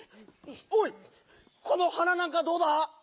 おいこのはななんかどうだ？